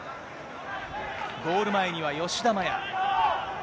ゴール前には吉田麻也。